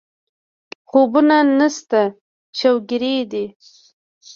خوبونه نشته شوګېري دي